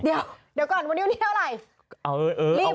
เดี๋ยวก่อนวันนี้วันที่เท่าไหร่